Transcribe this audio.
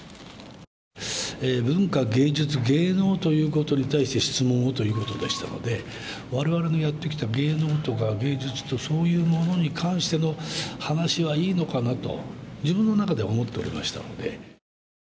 文化、芸術、芸能ということに対して質問をということでしたので我々がやってきた芸能とか芸術とかそういうものに関しての話はいいのかなと自分の中では思っておりましたので。